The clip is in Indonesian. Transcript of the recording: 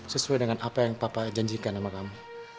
sesuai dengan apa yang papa janjikan sama kamu